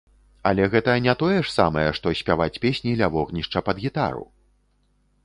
Але гэта не тое ж самае, што спяваць песні ля вогнішча пад гітару!